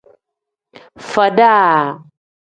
Faada.